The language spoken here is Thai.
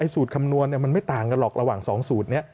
สูตรคำนวณมันไม่ต่างกันหรอกระหว่าง๒สูตรนี้